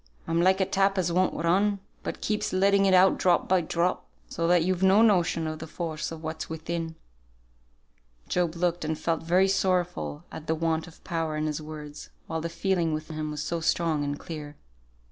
I'm like a tap as won't run, but keeps letting it out drop by drop, so that you've no notion of the force of what's within." Job looked and felt very sorrowful at the want of power in his words, while the feeling within him was so strong and clear.